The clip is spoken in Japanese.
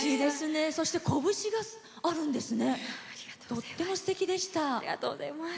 そしてこぶしがあるんですね。